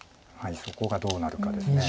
そこがどうなるかです。